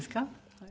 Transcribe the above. はい。